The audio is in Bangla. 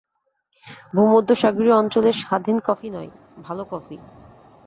ভূমধ্যসাগরীয় অঞ্চলের স্বাদহীন কফি নয়, ভালো কফি।